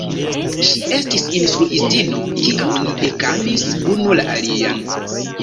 Ŝi estis instruistino, kiam ni ekamis unu la alian.